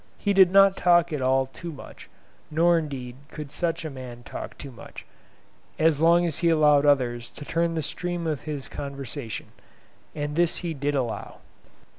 He did not talk at all too much; nor indeed could such a man talk too much, as long as he allowed others to turn the stream of his conversation, and this he did allow.